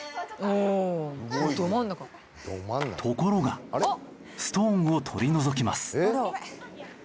ところがストーンを取り除きます。